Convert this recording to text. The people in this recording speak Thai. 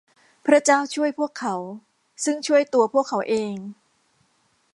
พระเจ้าช่วยพวกเขา ซึ่งช่วยตัวพวกเขาเอง